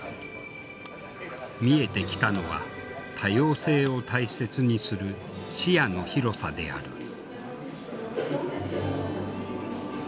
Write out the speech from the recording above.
見えてきたのは多様性を大切にする視野の広さである。